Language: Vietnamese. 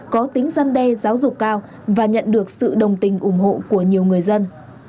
có tính gian đe giáo dục cao và nhận được sự đồng tình ủng hộ của nhiều người dân